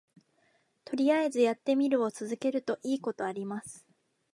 とりあえずやってみるを続けるといいことあります